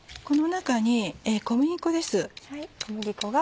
この中に小麦粉です。